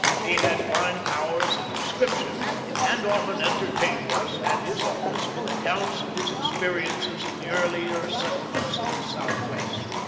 He had fine powers of description, and often entertained us, at his office, with accounts of his experiences in the earlier settlements of the Southwest.